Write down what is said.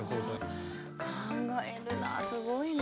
考えるなすごいな。